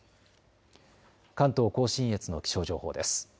関東甲信越の気象情報です。